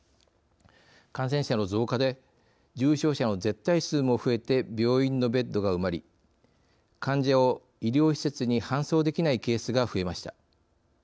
感染者の増加で重症者の絶対数も増えて病院のベッドが埋まり患者を医療施設に搬送できないケースが増えました。